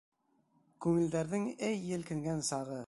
Күңелдәрҙең эй елкенгән сағы!